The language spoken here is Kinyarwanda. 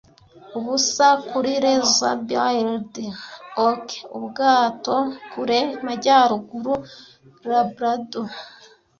Ubusa ku razor- billed auk ubwato kure majyaruguru Labrador,